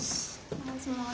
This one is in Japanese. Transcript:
お願いします。